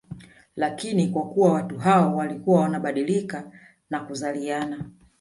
Lakini kwa kuwa watu hao walikuwa wanabadilika na kuzaliana